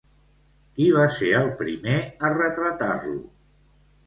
Qui va ser el primer a retratar-lo?